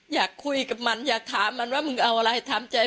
อยากคุยกับมันอยากถามมันว่ามึงเอาอะไรทำใจ